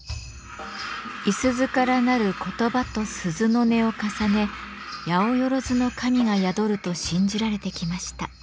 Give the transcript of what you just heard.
五十鈴から成る言葉と鈴の音を重ね八百万の神が宿ると信じられてきました。